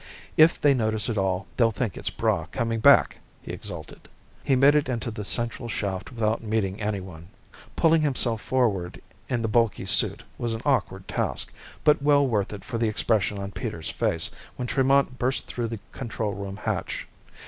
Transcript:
If they notice at all, they'll think it's Braigh coming back! he exulted. He made it into the central shaft without meeting anyone. Pulling himself forward in the bulky suit was an awkward task, but well worth it for the expression on Peters' face when Tremont burst through the control room hatch.